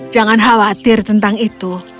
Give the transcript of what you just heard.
jangan khawatir tentang itu